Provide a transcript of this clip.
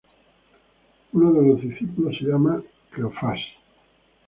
Uno de los discípulos se llamaba Cleofás.